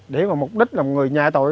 để mục đích là người nhà tội